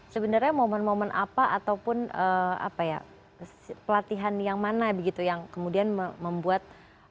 sebenarnya momen momen apa ataupun pelatihan yang mana begitu yang kemudian membuat